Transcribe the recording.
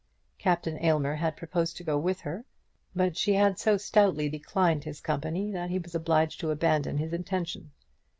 Captain Aylmer had proposed to go with her; but she had so stoutly declined his company that he was obliged to abandon his intention.